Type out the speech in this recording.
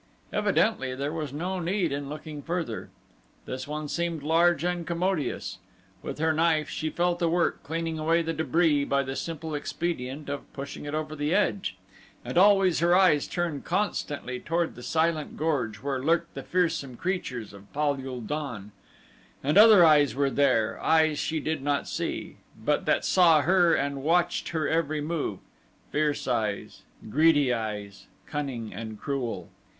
Evidently there was no need in looking further. This one seemed large and commodious. With her knife she fell to work cleaning away the debris by the simple expedient of pushing it over the edge, and always her eyes turned constantly toward the silent gorge where lurked the fearsome creatures of Pal ul don. And other eyes there were, eyes she did not see, but that saw her and watched her every move fierce eyes, greedy eyes, cunning and cruel.